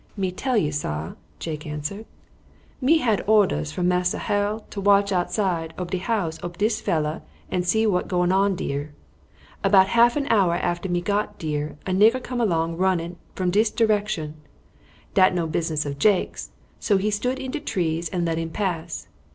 "Me tell you, sar," Jake answered. "Me had orders from Massa Harold to watch outside ob de house ob dis feller and see what going on dere. About half an hour after me got dere a nigger come along running from dis direction. Dat no business of Jake's, so he stood in de trees and let him pass.